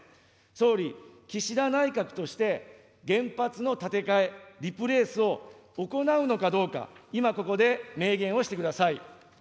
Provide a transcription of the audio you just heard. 総理、岸田内閣として、原発の建て替え、リプレースを行うのかどうか、今、ここで明言をしてください。